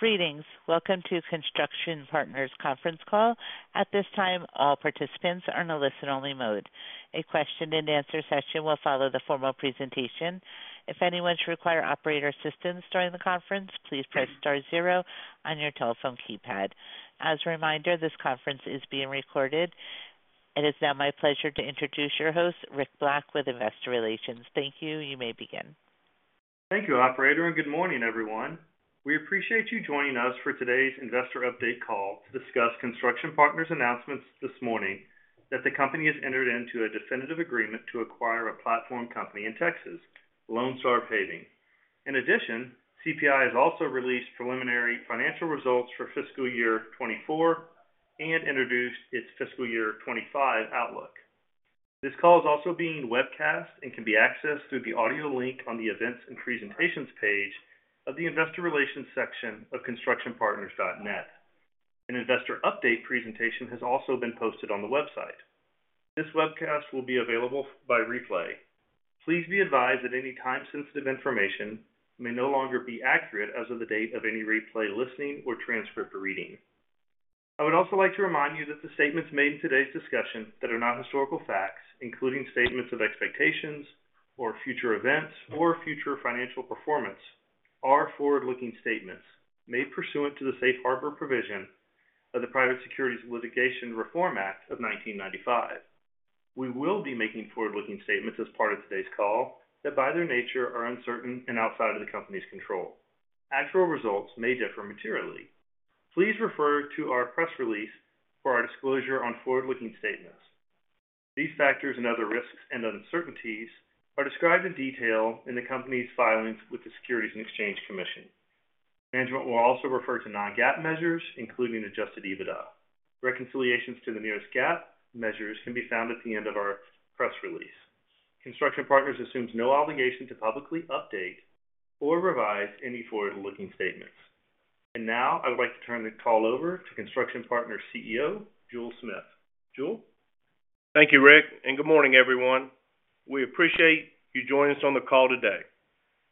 Greetings. Welcome to Construction Partners Conference Call. At this time, all participants are in a listen-only mode. A question-and-answer session will follow the formal presentation. If anyone should require operator assistance during the conference, please press star zero on your telephone keypad. As a reminder, this conference is being recorded. It is now my pleasure to introduce your host, Rick Black, with Investor Relations. Thank you. You may begin. Thank you, operator, and good morning, everyone. We appreciate you joining us for today's investor update call to discuss Construction Partners' announcements this morning that the company has entered into a definitive agreement to acquire a platform company in Texas, Lone Star Paving. In addition, CPI has also released preliminary financial results for fiscal year 2024 and introduced its fiscal year 2025 outlook. This call is also being webcast and can be accessed through the audio link on the Events and Presentations page of the Investor Relations section of constructionpartners.net. An investor update presentation has also been posted on the website. This webcast will be available by replay. Please be advised that any time-sensitive information may no longer be accurate as of the date of any replay, listening, or transcript reading. I would also like to remind you that the statements made in today's discussion that are not historical facts, including statements of expectations or future events or future financial performance, are forward-looking statements made pursuant to the Safe Harbor Provision of the Private Securities Litigation Reform Act of 1995. We will be making forward-looking statements as part of today's call that, by their nature, are uncertain and outside of the company's control. Actual results may differ materially. Please refer to our press release for our disclosure on forward-looking statements. These factors and other risks and uncertainties are described in detail in the company's filings with the Securities and Exchange Commission. Management will also refer to non-GAAP measures, including adjusted EBITDA. Reconciliations to the nearest GAAP measures can be found at the end of our press release. Construction Partners assumes no obligation to publicly update or revise any forward-looking statements. Now I would like to turn the call over to Construction Partners' CEO, Jule Smith. Jule? Thank you, Rick, and good morning, everyone. We appreciate you joining us on the call today.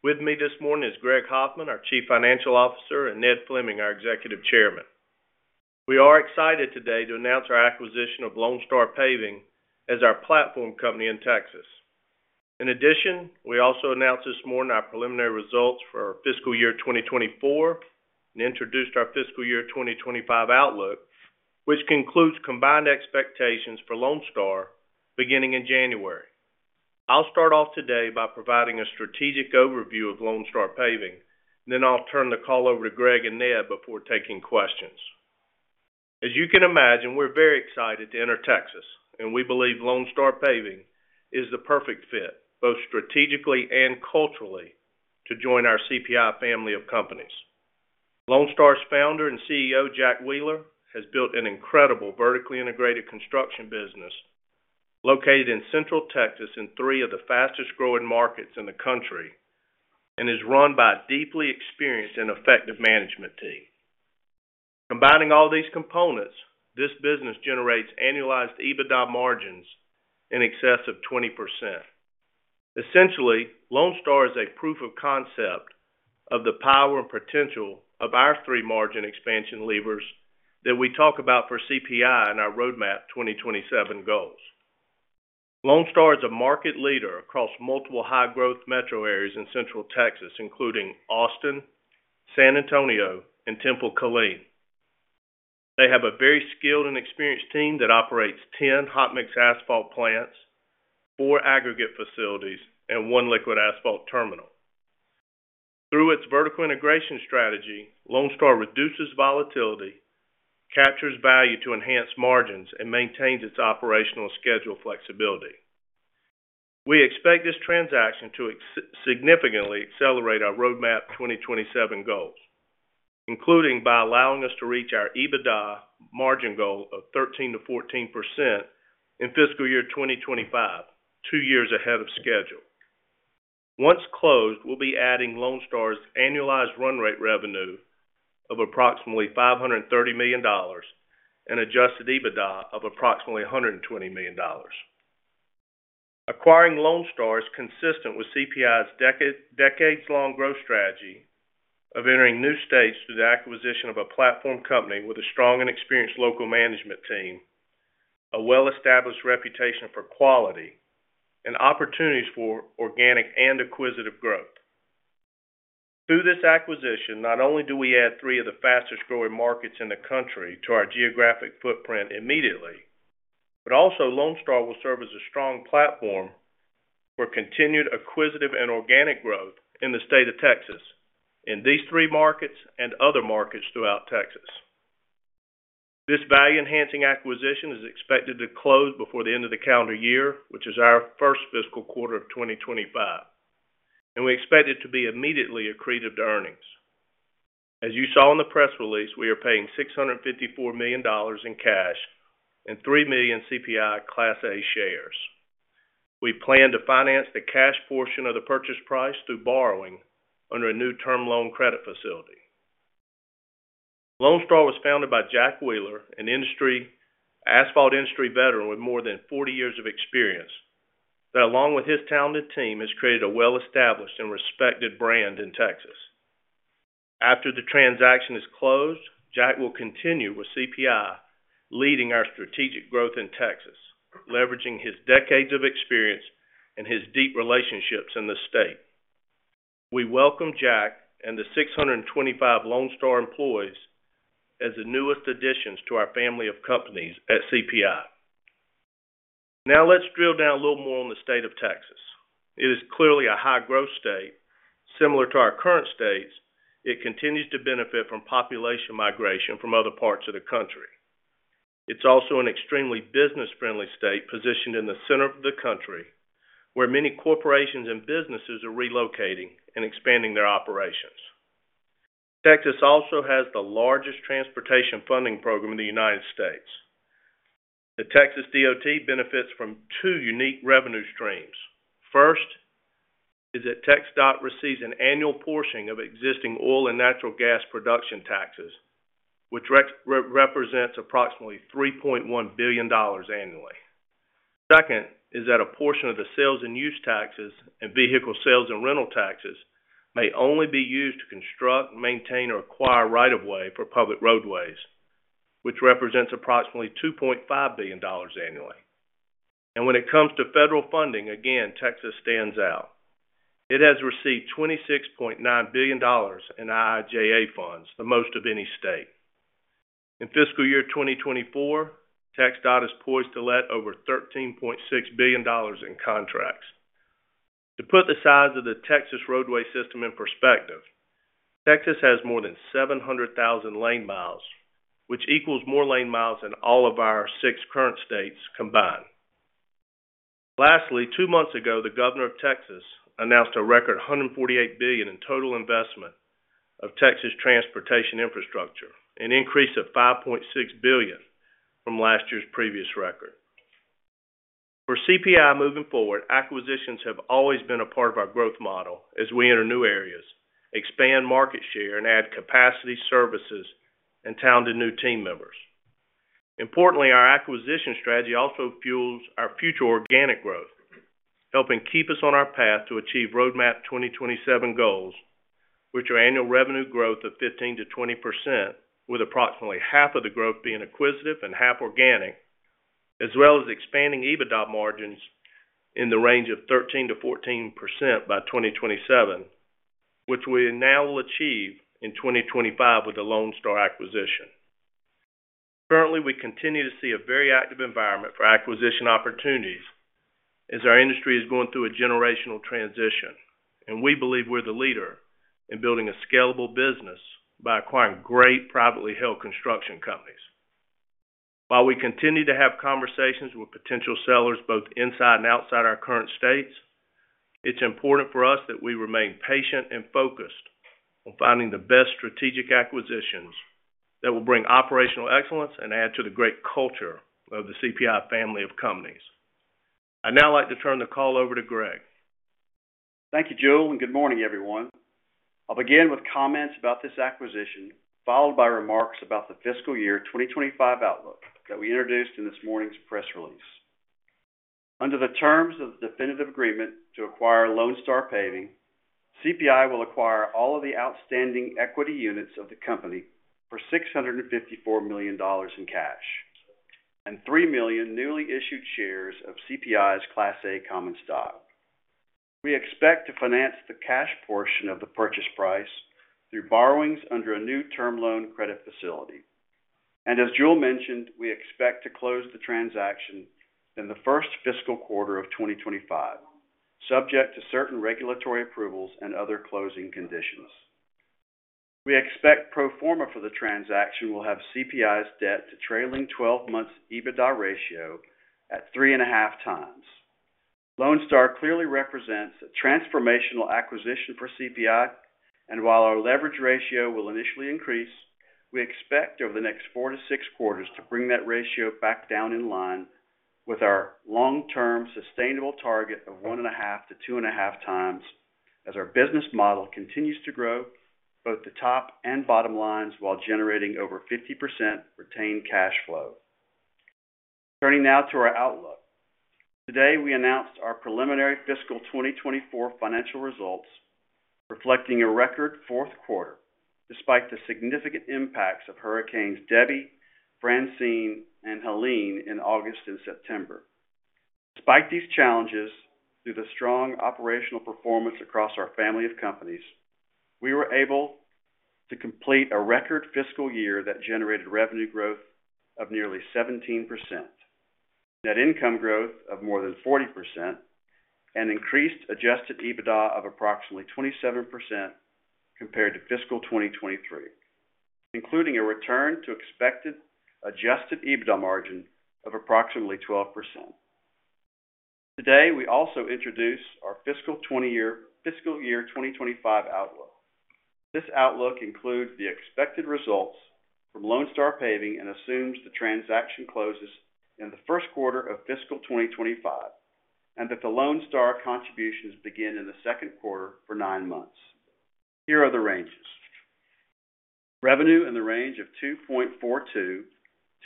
With me this morning is Greg Hoffman, our Chief Financial Officer, and Ned Fleming, our Executive Chairman. We are excited today to announce our acquisition of Lone Star Paving as our platform company in Texas. In addition, we also announced this morning our preliminary results for fiscal year twenty twenty-four and introduced our fiscal year twenty twenty-five outlook, which concludes combined expectations for Lone Star beginning in January. I'll start off today by providing a strategic overview of Lone Star Paving, then I'll turn the call over to Greg and Ned before taking questions. As you can imagine, we're very excited to enter Texas, and we believe Lone Star Paving is the perfect fit, both strategically and culturally, to join our CPI family of companies. Lone Star's founder and CEO, Jack Wheeler, has built an incredible vertically integrated construction business located in Central Texas in three of the fastest-growing markets in the country and is run by a deeply experienced and effective management team. Combining all these components, this business generates annualized EBITDA margins in excess of 20%. Essentially, Lone Star is a proof of concept of the power and potential of our three margin expansion levers that we talk about for CPI and our Roadmap 2027 goals. Lone Star is a market leader across multiple high-growth metro areas in Central Texas, including Austin, San Antonio, and Temple-Killeen. They have a very skilled and experienced team that operates 10 hot mix asphalt plants, four aggregate facilities, and one liquid asphalt terminal. Through its vertical integration strategy, Lone Star reduces volatility, captures value to enhance margins, and maintains its operational schedule flexibility. We expect this transaction to significantly accelerate our Roadmap 2027 goals, including by allowing us to reach our EBITDA margin goal of 13%-14% in fiscal year 2025, two years ahead of schedule. Once closed, we'll be adding Lone Star's annualized run rate revenue of approximately $530 million and adjusted EBITDA of approximately $120 million. Acquiring Lone Star is consistent with CPI's decades-long growth strategy of entering new states through the acquisition of a platform company with a strong and experienced local management team, a well-established reputation for quality, and opportunities for organic and acquisitive growth. Through this acquisition, not only do we add three of the fastest-growing markets in the country to our geographic footprint immediately, but also Lone Star will serve as a strong platform for continued acquisitive and organic growth in the state of Texas, in these three markets and other markets throughout Texas. This value-enhancing acquisition is expected to close before the end of the calendar year, which is our first fiscal quarter of 2025, and we expect it to be immediately accretive to earnings. As you saw in the press release, we are paying $654 million in cash and 3 million CPI Class A shares. We plan to finance the cash portion of the purchase price through borrowing under a new term loan credit facility. Lone Star was founded by Jack Wheeler, an asphalt industry veteran with more than 40 years of experience that along with his talented team, has created a well-established and respected brand in Texas. After the transaction is closed, Jack will continue with CPI, leading our strategic growth in Texas, leveraging his decades of experience and his deep relationships in the state. We welcome Jack and the 625 Lone Star employees as the newest additions to our family of companies at CPI. Now, let's drill down a little more on the state of Texas. It is clearly a high-growth state. Similar to our current states, it continues to benefit from population migration from other parts of the country. It's also an extremely business-friendly state, positioned in the center of the country, where many corporations and businesses are relocating and expanding their operations. Texas also has the largest transportation funding program in the United States. The Texas DOT benefits from two unique revenue streams. First, it's that TxDOT receives an annual portion of existing oil and natural gas production taxes, which represents approximately $3.1 billion annually. Second, it's that a portion of the sales and use taxes, and vehicle sales and rental taxes, may only be used to construct, maintain, or acquire right-of-way for public roadways, which represents approximately $2.5 billion annually. And when it comes to federal funding, again, Texas stands out. It has received $26.9 billion in IIJA funds, the most of any state. In fiscal year 2024, TxDOT is poised to let over $13.6 billion in contracts. To put the size of the Texas roadway system in perspective, Texas has more than 700,000 lane miles, which equals more lane miles than all of our six current states combined. Lastly, two months ago, the governor of Texas announced a record $148 billion in total investment of Texas transportation infrastructure, an increase of $5.6 billion from last year's previous record. For CPI moving forward, acquisitions have always been a part of our growth model as we enter new areas, expand market share, and add capacity services and talented new team members. Importantly, our acquisition strategy also fuels our future organic growth, helping keep us on our path to achieve Roadmap 2027 goals, which are annual revenue growth of 15%-20%, with approximately half of the growth being acquisitive and half organic, as well as expanding EBITDA margins in the range of 13%-14% by 2027, which we now will achieve in 2025 with the Lone Star acquisition. Currently, we continue to see a very active environment for acquisition opportunities as our industry is going through a generational transition, and we believe we're the leader in building a scalable business by acquiring great privately held construction companies. While we continue to have conversations with potential sellers, both inside and outside our current states, it's important for us that we remain patient and focused on finding the best strategic acquisitions that will bring operational excellence and add to the great culture of the CPI family of companies. I'd now like to turn the call over to Greg. Thank you, Jule, and good morning, everyone. I'll begin with comments about this acquisition, followed by remarks about the fiscal year 2025 outlook that we introduced in this morning's press release. Under the terms of the definitive agreement to acquire Lone Star Paving, CPI will acquire all of the outstanding equity units of the company for $654 million in cash, and 3 million newly issued shares of CPI's Class A common stock. We expect to finance the cash portion of the purchase price through borrowings under a new term loan credit facility. As Jule mentioned, we expect to close the transaction in the first fiscal quarter of 2025, subject to certain regulatory approvals and other closing conditions. We expect pro forma for the transaction will have CPI's debt to trailing twelve months EBITDA ratio at 3.5 times. Paving clearly represents a transformational acquisition for CPI, and while our leverage ratio will initially increase, we expect over the next four to six quarters to bring that ratio back down in line with our long-term sustainable target of one and a half to two and a half times, as our business model continues to grow both the top and bottom lines, while generating over 50% retained cash flow. Turning now to our outlook. Today, we announced our preliminary fiscal 2024 financial results, reflecting a record fourth quarter, despite the significant impacts of Hurricanes Debby, Francine, and Helene in August and September. Despite these challenges, through the strong operational performance across our family of companies, we were able to complete a record fiscal year that generated revenue growth of nearly 17%, net income growth of more than 40%, and increased adjusted EBITDA of approximately 27% compared to fiscal 2023, including a return to expected adjusted EBITDA margin of approximately 12%. Today, we also introduce our fiscal year 2025 outlook. This outlook includes the expected results from Lone Star Paving and assumes the transaction closes in the first quarter of fiscal 2025, and that the Lone Star contributions begin in the second quarter for nine months. Here are the ranges. Revenue in the range of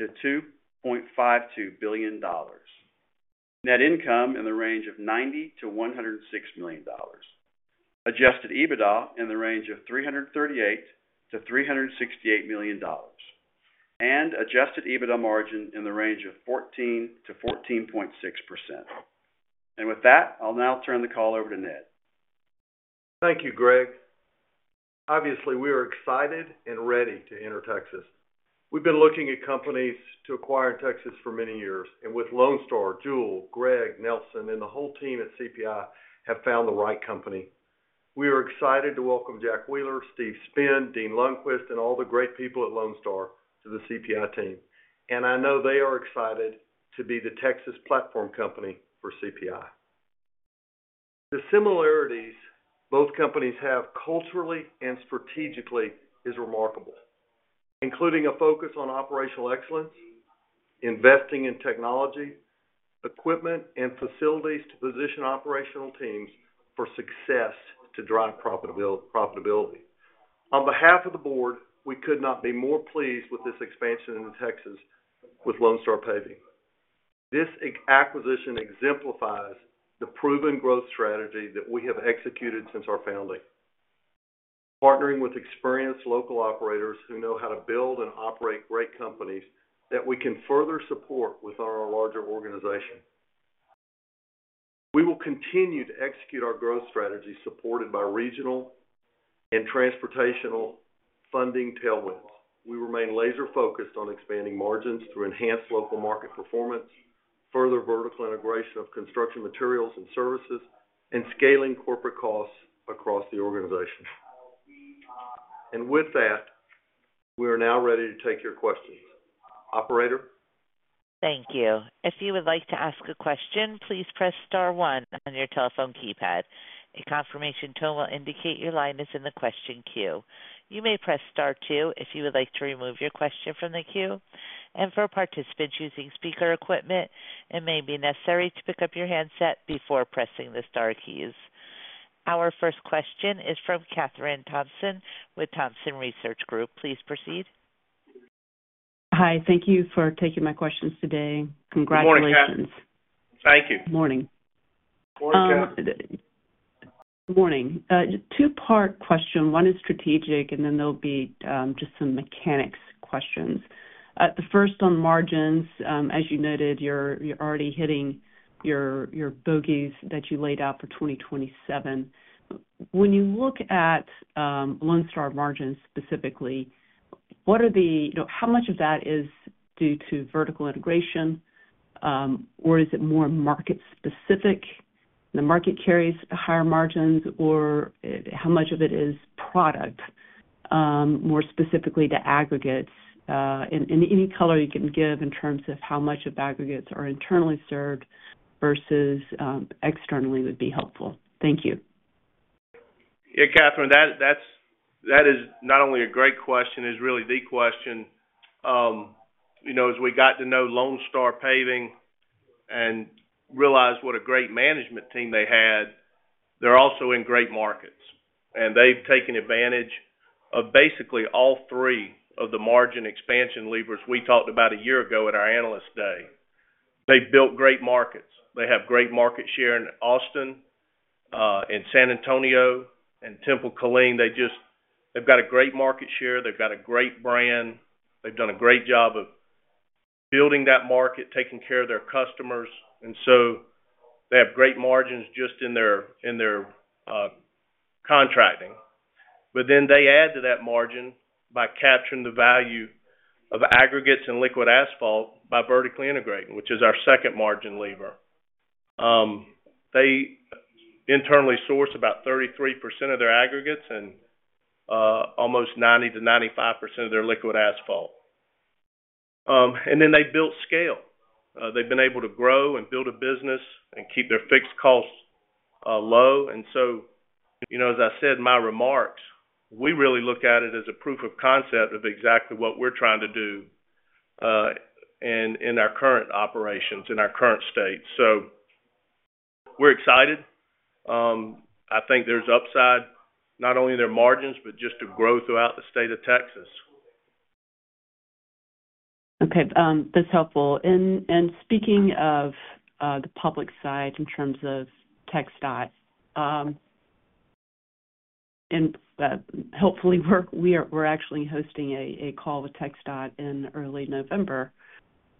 $2.42-$2.52 billion. Net income in the range of $90-$106 million. Adjusted EBITDA in the range of $338 million-$368 million. Adjusted EBITDA margin in the range of 14%-14.6%. With that, I'll now turn the call over to Ned. Thank you, Greg. Obviously, we are excited and ready to enter Texas. We've been looking at companies to acquire in Texas for many years, and with Lone Star, Jule, Greg, Nelson, and the whole team at CPI have found the right company. We are excited to welcome Jack Wheeler, Steve Spinn, Dean Lundquist, and all the great people at Lone Star to the CPI team. I know they are excited to be the Texas platform company for CPI. The similarities both companies have culturally and strategically is remarkable, including a focus on operational excellence, investing in technology, equipment, and facilities to position operational teams for success to drive profitability. On behalf of the board, we could not be more pleased with this expansion in Texas with Lone Star Paving. This acquisition exemplifies the proven growth strategy that we have executed since our founding. Partnering with experienced local operators who know how to build and operate great companies that we can further support with our larger organization. We will continue to execute our growth strategy, supported by regional and transportation funding tailwinds. We remain laser-focused on expanding margins through enhanced local market performance, further vertical integration of construction materials and services, and scaling corporate costs across the organization, and with that, we are now ready to take your questions. Operator? Thank you. If you would like to ask a question, please press star one on your telephone keypad. A confirmation tone will indicate your line is in the question queue. You may press Star two if you would like to remove your question from the queue, and for participants using speaker equipment, it may be necessary to pick up your handset before pressing the star keys. Our first question is from Kathryn Thompson with Thompson Research Group. Please proceed. Hi, thank you for taking my questions today. Congratulations. Good morning, Kathryn. Thank you. Morning. Good morning, Kathryn. Good morning. Two-part question. One is strategic, and then there'll be just some mechanics questions. The first on margins. As you noted, you're already hitting your bogeys that you laid out for 2027. When you look at Lone Star margins, specifically, what are the? You know, how much of that is due to vertical integration, or is it more market specific? The market carries higher margins, or how much of it is product, more specifically, the aggregates? And any color you can give in terms of how much of aggregates are internally served versus externally would be helpful. Thank you. Yeah, Kathryn, that's – that is not only a great question, it's really the question. You know, as we got to know Lone Star Paving and realized what a great management team they had, they're also in great markets, and they've taken advantage of basically all three of the margin expansion levers we talked about a year ago at our Analyst Day. They've built great markets. They have great market share in Austin, in San Antonio, and Temple-Killeen. They just, they've got a great market share. They've got a great brand. They've done a great job of building that market, taking care of their customers, and so they have great margins just in their contracting. But then they add to that margin by capturing the value of aggregates and liquid asphalt by vertically integrating, which is our second margin lever. They internally source about 33% of their aggregates and almost 90%-95% of their liquid asphalt. And then they built scale. They've been able to grow and build a business and keep their fixed costs low. And so, you know, as I said in my remarks, we really look at it as a proof of concept of exactly what we're trying to do in our current operations, in our current state. So we're excited. I think there's upside, not only in their margins, but just to growth throughout the state of Texas. Okay, that's helpful. And speaking of the public side, in terms of TxDOT, and hopefully, we're actually hosting a call with TxDOT in early November,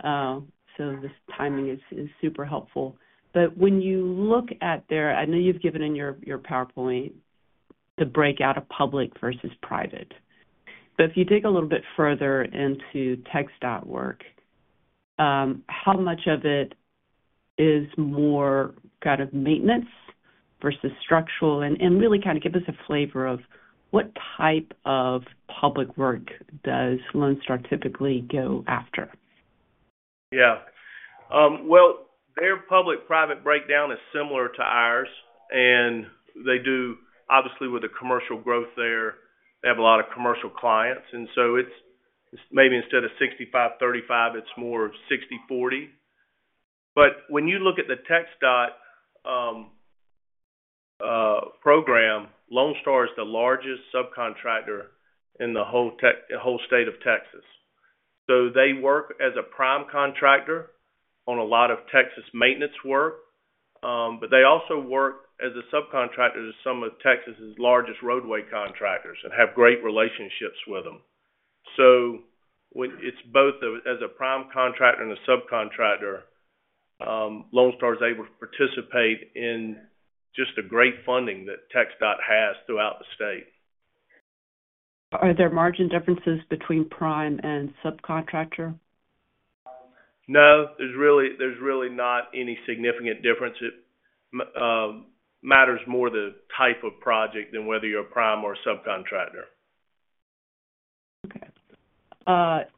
so this timing is super helpful. But when you look at their... I know you've given in your PowerPoint, the breakout of public versus private. But if you dig a little bit further into TxDOT work, how much of it is more kind of maintenance versus structural? And really kind of give us a flavor of what type of public work does Lone Star typically go after? Yeah. Well, their public-private breakdown is similar to ours, and they do, obviously, with the commercial growth there, they have a lot of commercial clients, and so it's, it's maybe instead of 65-35, it's more of 60-40. But when you look at the TxDOT program, Lone Star is the largest subcontractor in the whole state of Texas. So they work as a prime contractor on a lot of Texas maintenance work, but they also work as a subcontractor to some of Texas's largest roadway contractors and have great relationships with them. So it's both as a prime contractor and a subcontractor, Lone Star is able to participate in just a great funding that TxDOT has throughout the state. Are there margin differences between prime and subcontractor? No, there's really, there's really not any significant difference. It matters more the type of project than whether you're a prime or a subcontractor. Okay.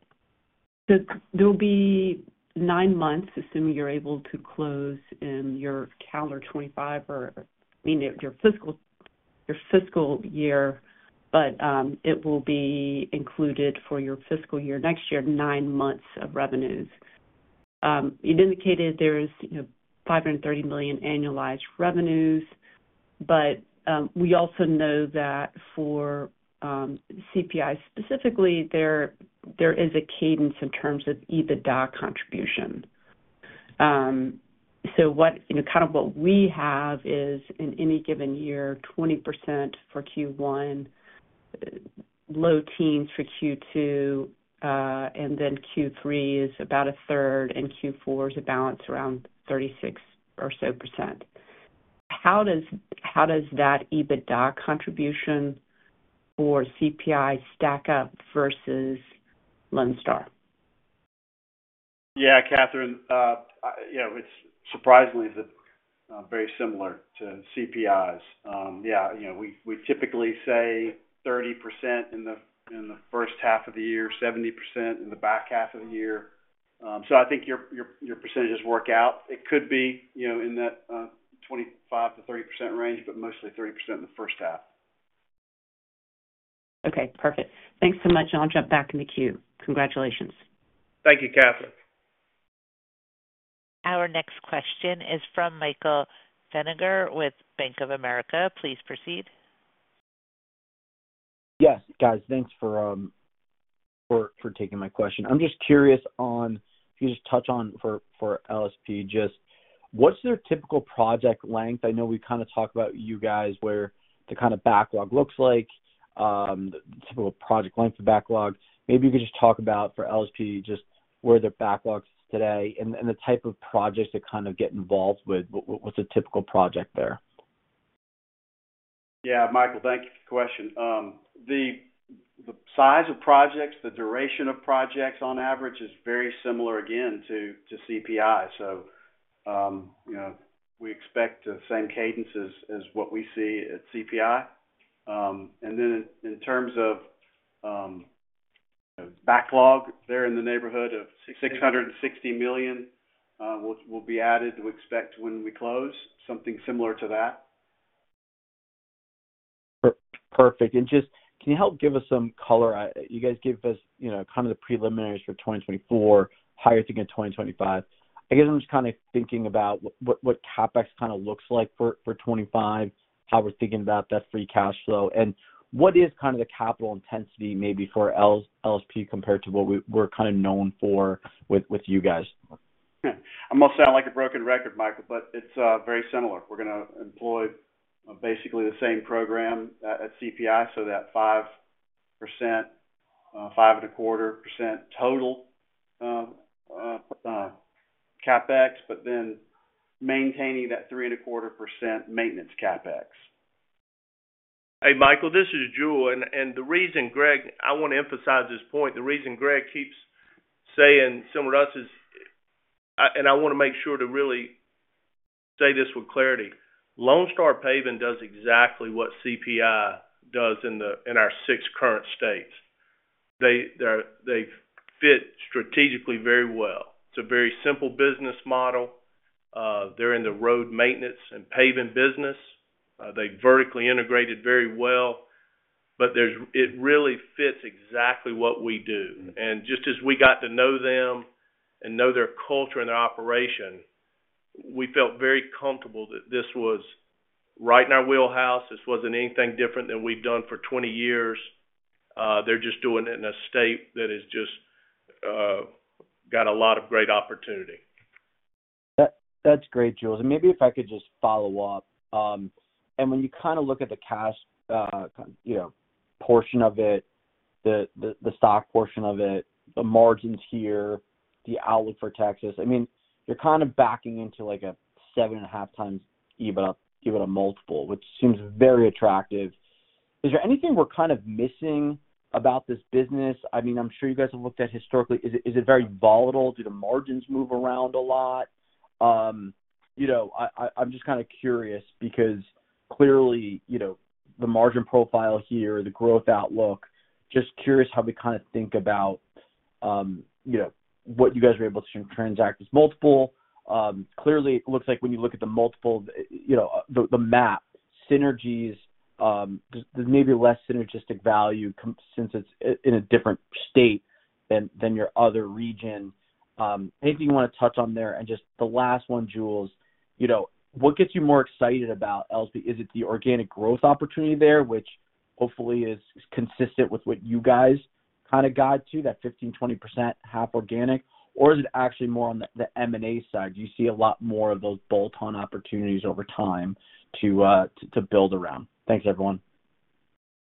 There will be nine months, assuming you're able to close in your calendar 2025, or I mean, your fiscal year, but it will be included for your fiscal year next year, nine months of revenues. You'd indicated there is, you know, $530 million annualized revenues, but we also know that for CPI specifically, there is a cadence in terms of EBITDA contribution. So what, you know, kind of what we have is, in any given year, 20% for Q1, low teens for Q2, and then Q3 is about a third, and Q4 is a balance around 36% or so. How does that EBITDA contribution for CPI stack up versus Lone Star? Yeah, Kathryn, you know, it's surprisingly very similar to CPI's. Yeah, you know, we typically say 30% in the first half of the year, 70% in the back half of the year. So I think your percentages work out. It could be, you know, in that 25%-30% range, but mostly 30% in the first half. Okay, perfect. Thanks so much, and I'll jump back in the queue. Congratulations. Thank you, Kathryn. Our next question is from Michael Feniger with Bank of America. Please proceed. Yes, guys, thanks for taking my question. I'm just curious on, if you just touch on for LSP, just what's their typical project length? I know we kind of talked about you guys, where the kind of backlog looks like, typical project length of backlog. Maybe you could just talk about for LSP, just where their backlogs today and the type of projects that kind of get involved with. What's a typical project there? Yeah, Michael, thank you for the question. The size of projects, the duration of projects on average is very similar, again, to CPI. So, you know, we expect the same cadence as what we see at CPI. And then in terms of backlog there in the neighborhood of $660 million will be added, we expect when we close, something similar to that. Perfect. And just, can you help give us some color? You guys gave us, you know, kind of the preliminaries for 2024, how you're thinking of 2025. I guess I'm just kind of thinking about what CapEx kind of looks like for 2025, how we're thinking about that free cash flow, and what is kind of the capital intensity maybe for LSP compared to what we're kind of known for with you guys? Yeah. I'm gonna sound like a broken record, Michael, but it's very similar. We're gonna employ basically the same program at CPI, so that 5%, 5.25% total CapEx, but then maintaining that 3.25% maintenance CapEx. Hey, Michael, this is Jule. The reason, Greg, I want to emphasize this point. The reason Greg keeps saying similar to us is, and I want to make sure to really say this with clarity. Lone Star Paving does exactly what CPI does in the, in our six current states. They, they're, they fit strategically very well. It's a very simple business model. They're in the road maintenance and paving business. They vertically integrated very well, but there's, it really fits exactly what we do. Just as we got to know them and know their culture and their operation, we felt very comfortable that this was right in our wheelhouse. This wasn't anything different than we've done for twenty years. They're just doing it in a state that has just got a lot of great opportunity. That, that's great, Jule. And maybe if I could just follow up. And when you kind of look at the cash, you know, portion of it, the stock portion of it, the margins here, the outlook for Texas, I mean, you're kind of backing into, like, a seven and a half times EBITDA, give it a multiple, which seems very attractive. Is there anything we're kind of missing about this business? I mean, I'm sure you guys have looked at historically. Is it very volatile? Do the margins move around a lot? You know, I'm just kind of curious because clearly, you know, the margin profile here, the growth outlook, just curious how we kind of think about, you know, what you guys were able to transact as multiple. Clearly, it looks like when you look at the multiple, you know, the map, synergies, there may be less synergistic value compared since it's in a different state than your other region. Anything you want to touch on there? And just the last one, Jule, you know, what gets you more excited about LSP? Is it the organic growth opportunity there, which hopefully is consistent with what you guys kinda guide to, that 15%-20%, half organic? Or is it actually more on the M&A side? Do you see a lot more of those bolt-on opportunities over time to build around? Thanks, everyone.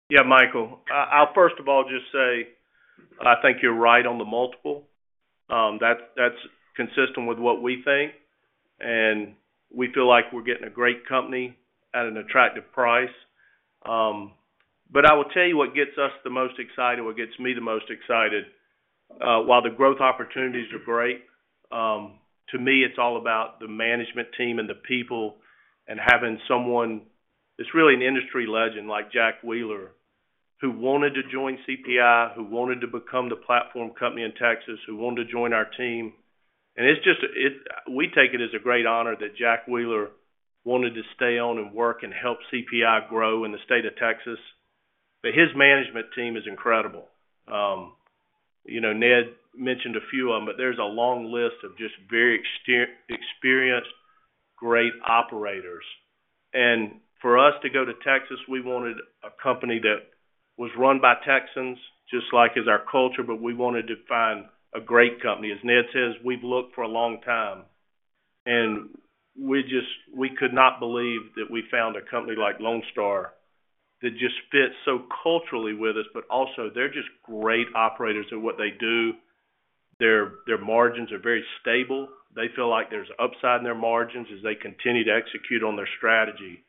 Yeah, Michael, I'll first of all just say, I think you're right on the multiple. That's consistent with what we think, and we feel like we're getting a great company at an attractive price, but I will tell you what gets us the most excited or what gets me the most excited. While the growth opportunities are great, to me, it's all about the management team and the people and having someone. It's really an industry legend, like Jack Wheeler, who wanted to join CPI, who wanted to become the platform company in Texas, who wanted to join our team, and it's just, we take it as a great honor that Jack Wheeler wanted to stay on and work and help CPI grow in the state of Texas, but his management team is incredible. You know, Ned mentioned a few of them, but there's a long list of just very experienced, great operators, and for us to go to Texas, we wanted a company that was run by Texans, just like is our culture, but we wanted to find a great company. As Ned says, we've looked for a long time, and we just we could not believe that we found a company like Lone Star that just fits so culturally with us, but also they're just great operators at what they do. Their margins are very stable. They feel like there's upside in their margins as they continue to execute on their strategy,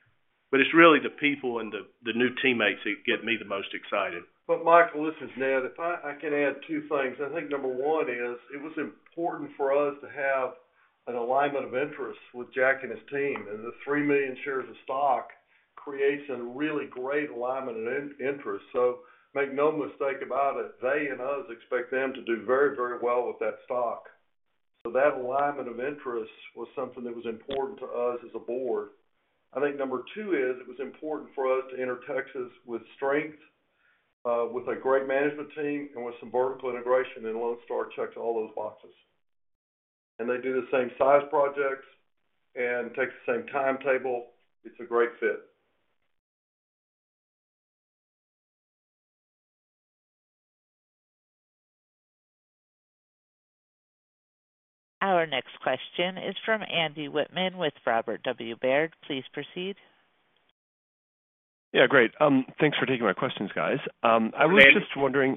but it's really the people and the new teammates that get me the most excited. Michael, listen, it's Ned. If I can add two things. I think number one is, it was important for us to have an alignment of interests with Jack and his team, and the 3 million shares of stock creates a really great alignment and interest. So make no mistake about it, they and us expect them to do very, very well with that stock. So that alignment of interest was something that was important to us as a board. I think number two is, it was important for us to enter Texas with strength, with a great management team, and with some vertical integration, and Lone Star checks all those boxes. And they do the same size projects and takes the same timetable. It's a great fit. Our next question is from Andy Whitman with Robert W. Baird. Please proceed. Yeah, great. Thanks for taking my questions, guys. Hey, Andy.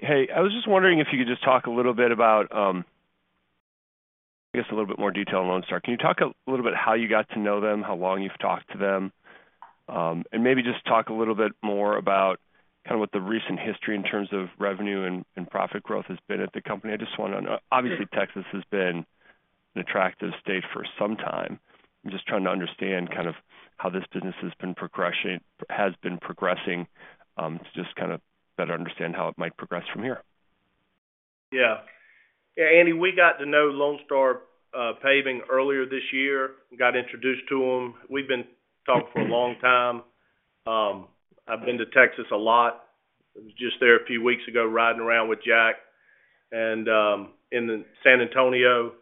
Hey, I was just wondering if you could just talk a little bit about, I guess, a little bit more detail on Lone Star. Can you talk a little bit how you got to know them, how long you've talked to them? And maybe just talk a little bit more about kinda what the recent history in terms of revenue and profit growth has been at the company. I just wanna know. Obviously, Texas has been an attractive state for some time. I'm just trying to understand kind of how this business has been progression, has been progressing, to just kinda better understand how it might progress from here. Yeah. Yeah, Andy, we got to know Lone Star Paving earlier this year, got introduced to them. We've been talking for a long time. I've been to Texas a lot. I was just there a few weeks ago, riding around with Jack and in the San Antonio.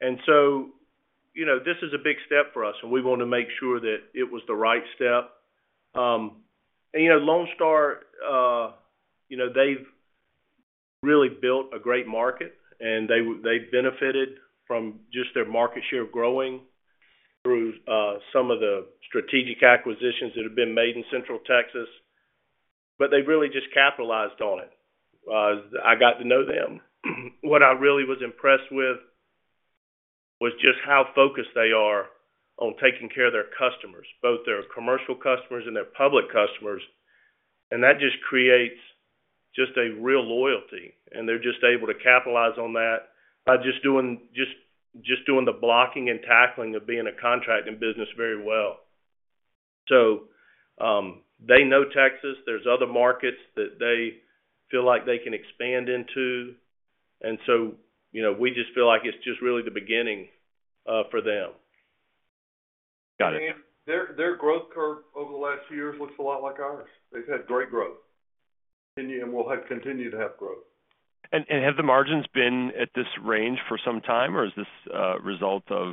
And so, you know, this is a big step for us, and we wanna make sure that it was the right step. And, you know, Lone Star, you know, they've really built a great market, and they've benefited from just their market share growing through some of the strategic acquisitions that have been made in Central Texas, but they've really just capitalized on it. As I got to know them, what I really was impressed with was just how focused they are on taking care of their customers, both their commercial customers and their public customers. And that just creates a real loyalty, and they're just able to capitalize on that by just doing the blocking and tackling of being a contracting business very well. So, they know Texas. There are other markets that they feel like they can expand into, and so, you know, we just feel like it's just really the beginning for them. Got it. Their growth curve over the last years looks a lot like ours. They've had great growth, and will continue to have growth. Have the margins been at this range for some time, or is this a result of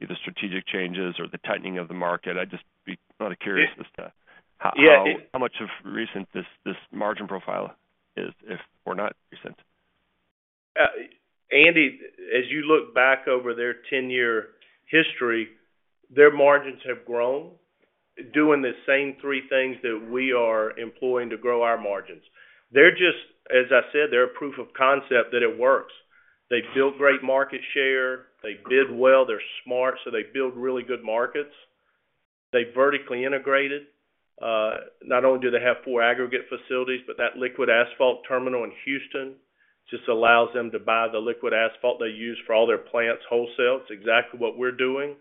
the strategic changes or the tightening of the market? I'd just be kind of curious as to- Yeah, it- How much of this recent margin profile is recent, or not? Andy, as you look back over their ten-year history, their margins have grown, doing the same three things that we are employing to grow our margins. They're just, as I said, they're a proof of concept that it works. They build great market share. They bid well, they're smart, so they build really good markets. They vertically integrated. Not only do they have four aggregate facilities, but that liquid asphalt terminal in Houston just allows them to buy the liquid asphalt they use for all their plants wholesale. It's exactly what we're doing.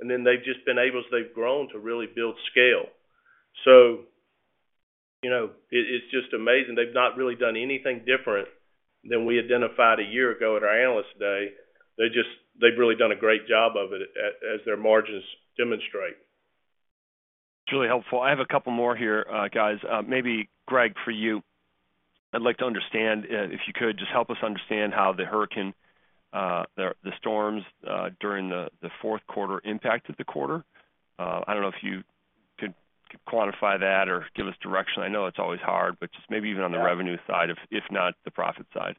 And then they've just been able, as they've grown, to really build scale. So, you know, it, it's just amazing. They've not really done anything different than we identified a year ago at our Analyst Day. They just. They've really done a great job of it, as their margins demonstrate. It's really helpful. I have a couple more here, guys. Maybe Greg, for you, I'd like to understand, if you could, just help us understand how the hurricane, the storms, during the fourth quarter impacted the quarter. I don't know if you could quantify that or give us direction. I know it's always hard, but just maybe even on the revenue side, if not the profit side.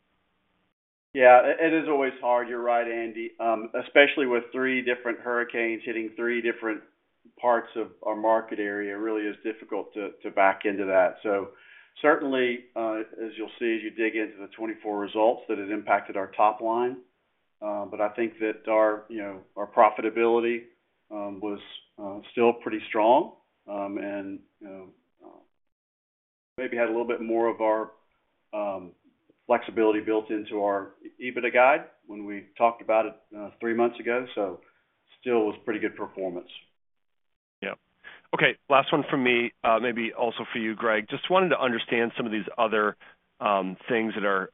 Yeah, it is always hard. You're right, Andy. Especially with three different hurricanes hitting three different parts of our market area, it really is difficult to back into that. So certainly, as you'll see, as you dig into the 2024 results, that it impacted our top line. But I think that our, you know, our profitability was still pretty strong. And, you know, maybe had a little bit more of our flexibility built into our EBITDA guide when we talked about it three months ago. So still was pretty good performance. Yeah. Okay, last one from me, maybe also for you, Greg. Just wanted to understand some of these other things that are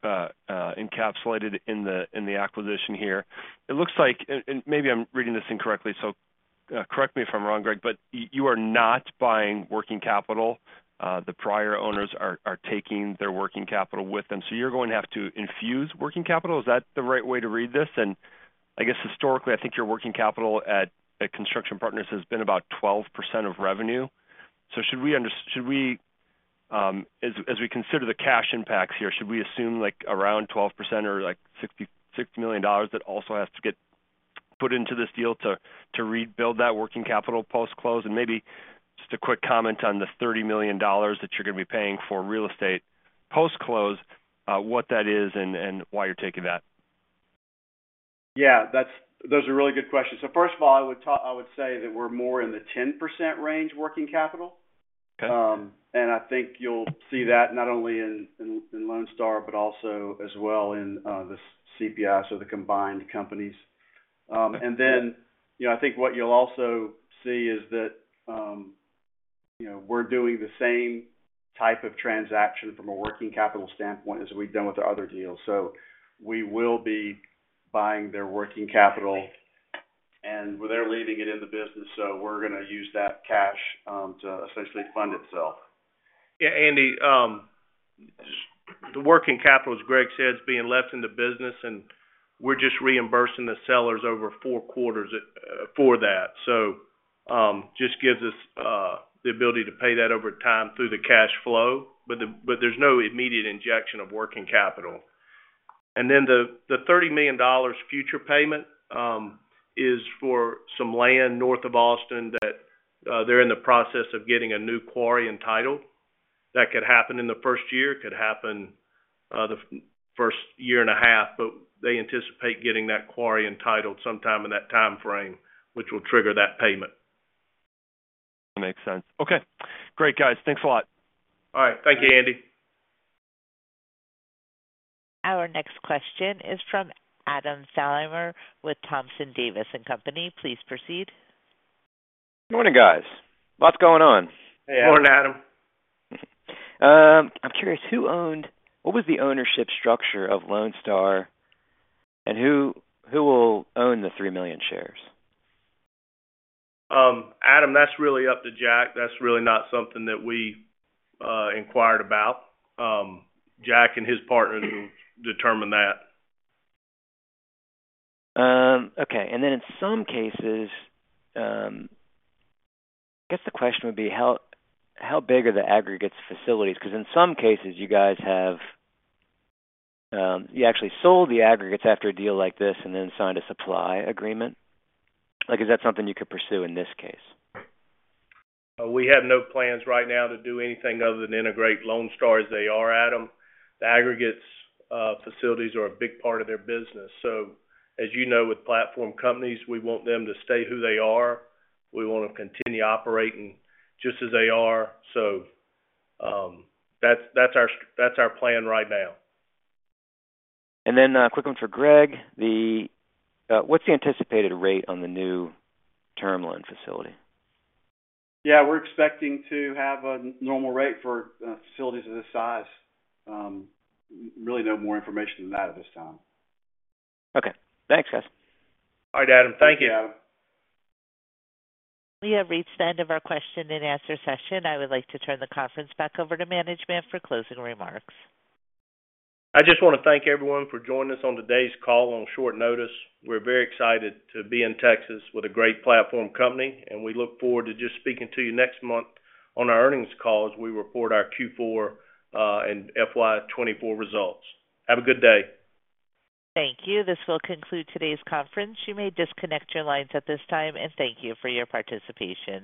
encapsulated in the acquisition here. It looks like, and maybe I'm reading this incorrectly, so correct me if I'm wrong, Greg, but you are not buying working capital. The prior owners are taking their working capital with them, so you're going to have to infuse working capital. Is that the right way to read this? And I guess historically, I think your working capital at Construction Partners has been about 12% of revenue. So should we, as we consider the cash impacts here, should we assume, like, around 12% or, like, $60 million that also has to get put into this deal to rebuild that working capital post-close? And maybe just a quick comment on the $30 million that you're gonna be paying for real estate post-close, what that is and why you're taking that. Yeah, that's those are really good questions. So first of all, I would say that we're more in the 10% range working capital. Okay. And I think you'll see that not only in Lone Star, but also as well in the CPI, so the combined companies. And then, you know, I think what you'll also see is that, you know, we're doing the same type of transaction from a working capital standpoint as we've done with the other deals. So we will be buying their working capital, and they're leaving it in the business, so we're gonna use that cash to essentially fund itself. Yeah, Andy, the working capital, as Greg said, is being left in the business, and we're just reimbursing the sellers over four quarters for that. So, just gives us the ability to pay that over time through the cash flow, but there's no immediate injection of working capital. And then the $30 million future payment is for some land north of Austin that they're in the process of getting a new quarry entitled. That could happen in the first year, could happen the first year and a half, but they anticipate getting that quarry entitled sometime in that timeframe, which will trigger that payment. Makes sense. Okay, great, guys. Thanks a lot. All right. Thank you, Andy. Our next question is from Adam Thalhimer with Thompson Davis and Company. Please proceed. Good morning, guys. Lots going on. Hey, Adam. Good morning, Adam. I'm curious, who owned what was the ownership structure of Lone Star, and who will own the three million shares? Adam, that's really up to Jack. That's really not something that we inquired about. Jack and his partners will determine that. Okay. And then in some cases, I guess the question would be: how big are the aggregates facilities? Because in some cases you guys have, you actually sold the aggregates after a deal like this and then signed a supply agreement. Like, is that something you could pursue in this case? We have no plans right now to do anything other than integrate Lone Star as they are, Adam. The aggregates facilities are a big part of their business. So as you know, with platform companies, we want them to stay who they are. We want to continue operating just as they are. So that's our plan right now. And then, quick one for Greg. What's the anticipated rate on the new terminal and facility? Yeah, we're expecting to have a normal rate for facilities of this size. Really no more information than that at this time. Okay. Thanks, guys. All right, Adam. Thank you. Thank you, Adam. We have reached the end of our question and answer session. I would like to turn the conference back over to management for closing remarks. I just want to thank everyone for joining us on today's call on short notice. We're very excited to be in Texas with a great platform company, and we look forward to just speaking to you next month on our earnings call, as we report our Q4 and FY 2024 results. Have a good day. Thank you. This will conclude today's conference. You may disconnect your lines at this time, and thank you for your participation.